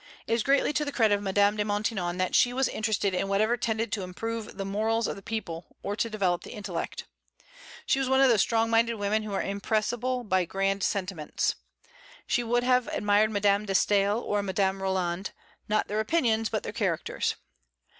It is greatly to the credit of Madame de Maintenon that she was interested in whatever tended to improve the morals of the people or to develop the intellect. She was one of those strong minded women who are impressible by grand sentiments. She would have admired Madame de Staël or Madame Roland, not their opinions, but their characters.